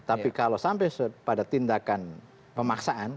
tapi kalau sampai pada tindakan pemaksaan